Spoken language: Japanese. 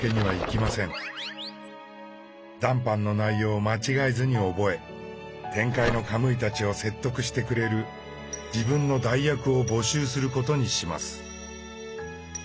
談判の内容を間違えずに覚え天界のカムイたちを説得してくれる自分の代役を募集することにします。